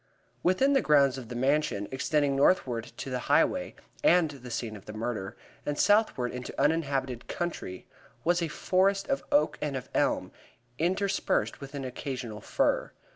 Within the grounds of the Mansion, extending northward to the Highway and the scene of the murder, and southward into the uninhabited country, was a forest of oak and of elm, interspersed with an occasional fir.